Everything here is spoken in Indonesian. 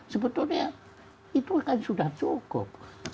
sebetulnya itu kan sudah cukup